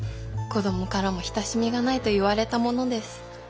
子どもからも親しみがないと言われたものです。